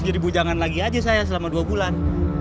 jadi bujangan lagi aja saya selama dua bulan